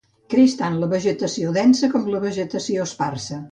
Creix tant en vegetació densa com en vegetació esparsa.